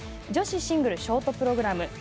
女子シングルショートプログラム。